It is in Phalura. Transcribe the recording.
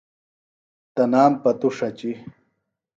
تنام پتوۡ ݜچیۡ